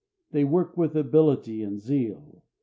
They work with ability and zeal.